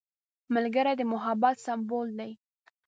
ملګری د محبت سمبول دی